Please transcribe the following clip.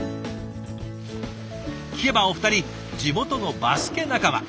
聞けばお二人地元のバスケ仲間。